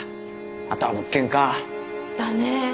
あとは物件かだね